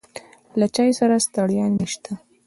له چای سره ستړیا نشته.